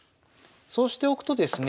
そうしておくとですね